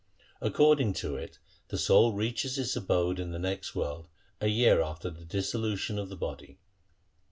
According to it the soul reaches its abode in the next world a year after the dissolu tion of the body.